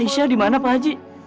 aisyah dimana pak haji